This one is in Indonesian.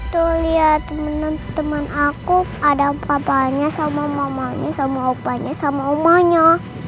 tuh lihat temen temen aku ada papanya sama mamanya sama opanya sama omanya